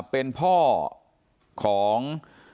เป็นพ่อของ